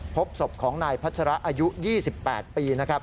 พบศพของนายพัชราอายุ๒๘ปี